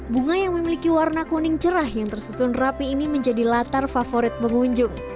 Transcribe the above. bunga yang memiliki warna kuning cerah yang tersusun rapi ini menjadi latar favorit pengunjung